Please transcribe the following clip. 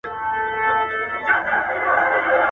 • لښکر که ډېر وي، بې مشره هېر وي.